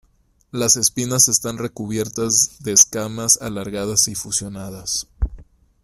Las espinas están recubiertas de escamas alargadas y fusionadas.